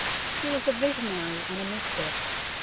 He was a visionary and a mystic.